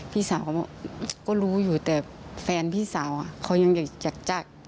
พี่สาวก็รู้อยู่แต่แฟนพี่สาวเขายังอยากจ้างต่อไงคะ